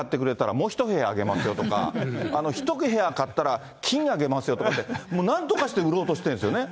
もう１部屋あげますよとか、１部屋買ったら、金あげますよとかって、なんとかして売ろうとしてるんですよね。